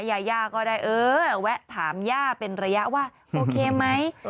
ยาย่าก็ได้เออแวะถามย่าเป็นระยะว่าโอเคไหม